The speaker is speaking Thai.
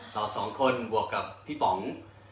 เราสองคนบวกกับพี่ป๋อง